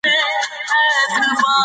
ځینې ارزښت لري او خبرتیا ته اړتیا لري.